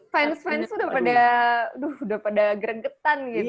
fans fans udah pada udah pada geregetan gitu